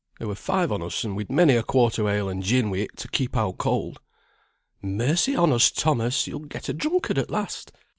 There were five on us, and we'd many a quart o' ale, and gin wi' it, to keep out cold." "Mercy on us, Thomas; you'll get a drunkard at last!"